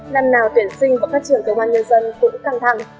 năm nào tuyển sinh vào các trường công an nhân dân cũng căng thẳng